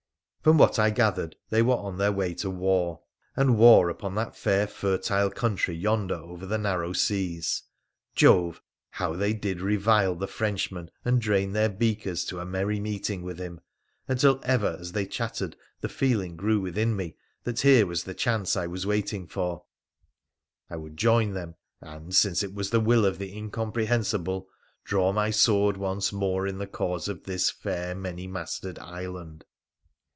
From what I gathered, they were on their way to war, and war upon that fair, fertile country yonder over the narrow seas. Jove ! how they did revile the Frenchman and drain their beakers to a merry meeting with him, until ever as they chattered the feeling grew within me that here was the chance I was waiting for — I would join them — and, since it was the will of the Incomprehensible, draw my sword once more in the cause of this fair, many mastered island.